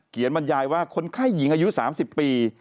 บรรยายว่าคนไข้หญิงอายุ๓๐ปี